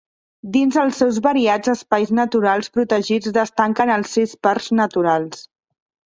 Dins els seus variats espais naturals protegits destaquen els sis parcs naturals.